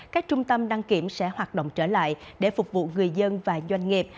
các trung tâm đăng kiểm sẽ hoạt động trở lại để phục vụ người dân và doanh nghiệp